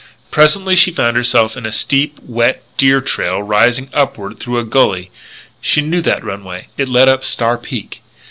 Presently she found herself in a steep, wet deer trail rising upward through a gully. She knew that runway. It led up Star Peak.